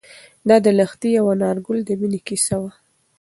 دا د لښتې او انارګل د مینې کیسه وه.